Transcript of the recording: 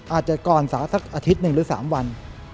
อาจจะก่อนสักอาทิตย์หนึ่งหรือ๓วัน